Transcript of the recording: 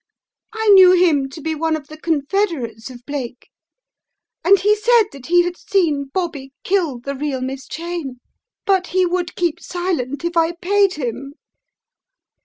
I knew him to be one of the confederates of Blake and he said that he had seen Bobby kill the real Miss Cheyne but he would keep silent if I paid him.